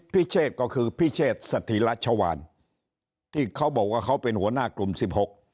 พิเศษก็คือพิเชษสถิราชวานที่เขาบอกว่าเขาเป็นหัวหน้ากลุ่มสิบหก